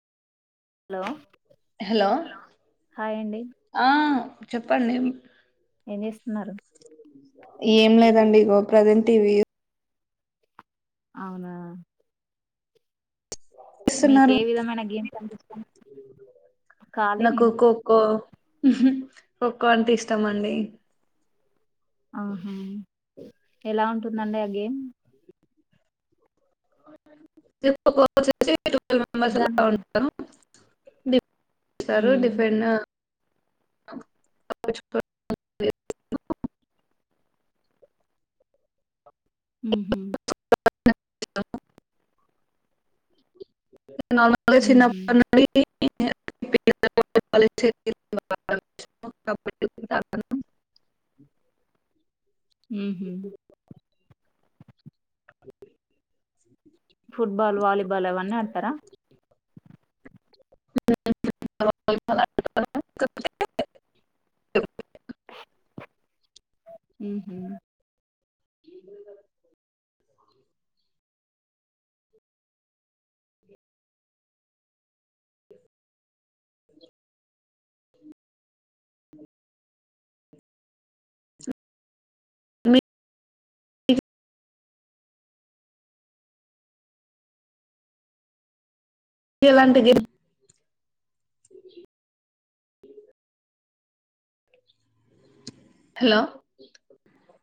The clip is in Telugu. హలో హలో హాయ్ అండి ఆ చెప్పండి అ ఏం చేస్తున్నారు ఏం లేదండి ఇగో ప్రజెంట్ ఇవి అవునా మీకు చేస్తున్నారు ఏ విధమైన గేమ్ కనిపిస్తాను కాలే నేను ఒక్కో అంటే ఇష్టమ అండి ఆహా ఎలా ఉంటుందండి ఆ గేమ్ ప ట్వెల్వ్ మెంబర్స్ అలా దాని గురి ఉంటారు బ సారు ఉహు డిఫెం హ హ అ న చిన్నప్పడి హహ ఫుట్బాల్ వాలి బలవన్న అంటరా అ అ ఏలాలాంటిగ హలో